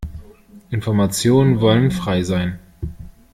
Informationen wollen frei sein.